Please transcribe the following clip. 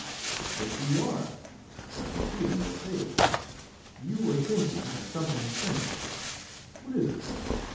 "But you are. I can see it in your face. You are thinking of something strange. What is it?"